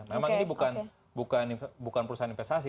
memang ini bukan bukan bukan perusahaan investasi